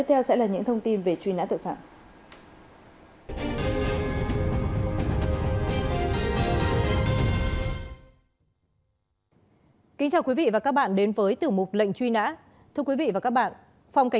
các bạn có thông tin về truy nã tội phạm